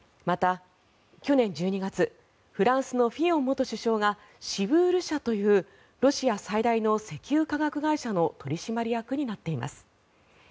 また、去年１２月フランスのフィヨン元首相がシブール社というロシア最大の石油化学会社の取締役になっています。